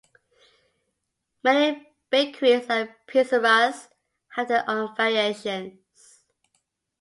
Many bakeries and pizzerias have their own variations.